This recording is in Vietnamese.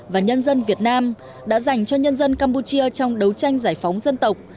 và nhân dân việt nam đã dành cho nhân dân campuchia trong đấu tranh giải phóng dân tộc